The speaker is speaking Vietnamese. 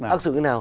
ác xử thế nào